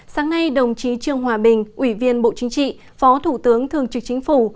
sáng nay đồng chí trương hòa bình ủy viên bộ chính trị phó thủ tướng thường trực chính phủ